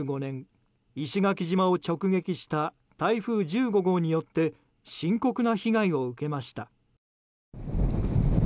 石垣島を直撃した台風１５号によって深刻な被害を受けました。